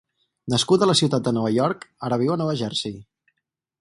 Nascut a la ciutat de Nova York, ara viu a Nova Jersey.